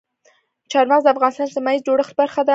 چار مغز د افغانستان د اجتماعي جوړښت برخه ده.